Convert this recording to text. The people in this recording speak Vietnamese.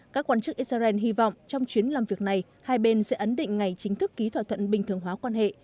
các quan chức israel hy vọng trong chuyến làm việc này hai bên sẽ ấn định ngày chính thức ký thỏa thuận bình thường hóa quan hệ